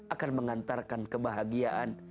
akan mengantarkan kebahagiaan